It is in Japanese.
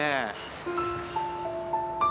そうですか。